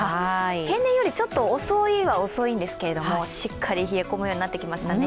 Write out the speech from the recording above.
平年よりちょっと遅いは遅いんですがしっかり冷え込むようになってきましたね。